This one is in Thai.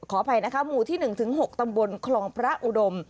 ขออภัยนะคะหมู่ที่๑๖ตำบลคลองพระอุดม